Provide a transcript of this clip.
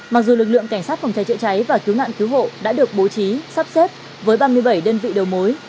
mặc dù lực lượng cảnh sát phòng cháy chữa cháy và cứu nạn cứu hộ đã được bố trí sắp xếp với ba mươi bảy đơn vị đầu mối